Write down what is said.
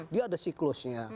dia ada siklusnya